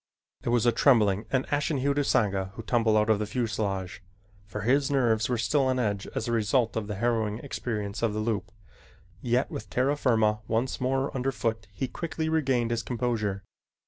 It was a trembling and ashen hued Usanga who tumbled out of the fuselage, for his nerves were still on edge as a result of the harrowing experience of the loop, yet with terra firma once more under foot, he quickly regained his composure.